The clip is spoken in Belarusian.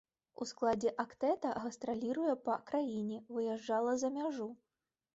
У складзе актэта гастраліруе па краіне, выязджала за мяжу.